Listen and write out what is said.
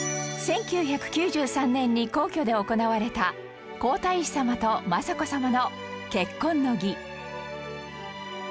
１９９３年に皇居で行われた皇太子さまと雅子さまの結婚の儀